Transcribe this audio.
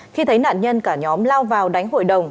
khi thấy nạn nhân cả nhóm lao vào đánh hội đồng